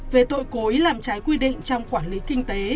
về tội cối làm trái quy định trong quản lý kinh tế